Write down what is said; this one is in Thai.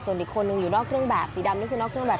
ส่วนอีกคนนึงอยู่นอกเครื่องแบบสีดำนี่คือนอกเครื่องแบบ